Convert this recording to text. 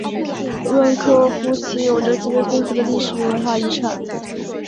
温科夫齐有着极为丰富的历史与文化遗产。